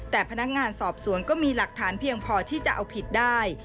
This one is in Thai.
แต่พนักงานสอบสวนก็มีหลักฐานเพียงพอที่จะเอาผิดได้